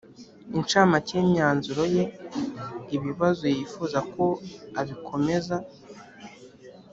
incamake y imyanzuro ye ibibazo yifuza ko abikomeza